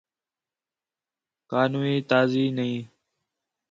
کَا نوی تازی نہیں